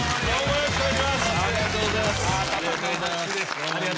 よろしくお願いします。